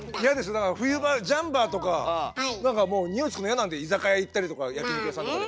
だから冬場ジャンバーとかなんかもうにおいつくの嫌なんで居酒屋行ったりとか焼き肉屋さんとかで。